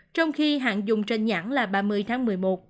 trong khi hạn dùng trên nhãn là ba mươi tháng một mươi một